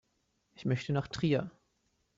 Ich möchte nach Trier